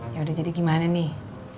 yaudah jadi gimana nih